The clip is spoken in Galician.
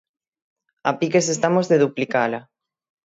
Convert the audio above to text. A piques estamos de duplicala.